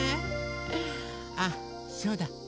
あそうだ。